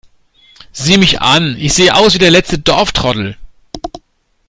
Sieh mich an, ich sehe aus wie der letzte Dorftrottel!